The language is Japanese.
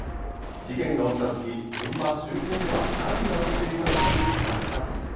事件が起きたとき、現場周辺では何が起きていたのかに迫った記事です。